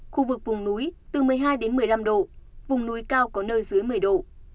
khu vực vùng núi từ một mươi hai đến một mươi năm độ vùng núi cao có nơi dưới một mươi độ